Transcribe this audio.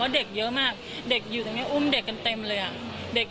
พูดสิทธิ์ข่าวธรรมดาทีวีรายงานสดจากโรงพยาบาลพระนครศรีอยุธยาครับ